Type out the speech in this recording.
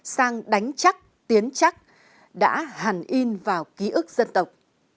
sang đánh chắc tiến chắc đã hẳn in vào ký ức dân tộc